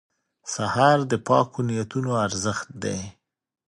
سهار د پاکو نیتونو ارزښت دی.